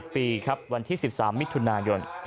ปีครับวันที่๑๓มิถุนายน